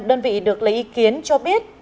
đơn vị được lấy ý kiến cho biết